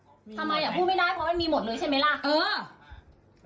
ทำไมอ่ะพูดไม่ได้เพราะมันมีหมดเลยใช่ไหมล่ะเออ